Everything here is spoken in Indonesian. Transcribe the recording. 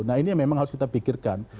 nah ini yang memang harus kita pikirkan